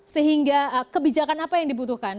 sehingga kebijakan apa yang dibutuhkan